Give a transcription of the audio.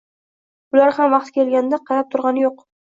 Ular ham vaqti kelg‘anda qarab turg‘ani jo‘q